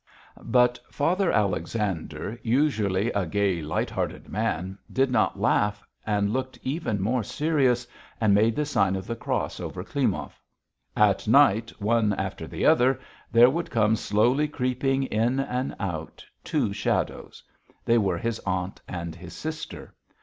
But Father Alexander, usually a gay, light hearted man, did not laugh and looked even more serious, and made the sign of the cross over Klimov. At night, one after the other, there would come slowly creeping in and out two shadows. They were his aunt and his sister.